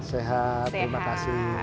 sehat terima kasih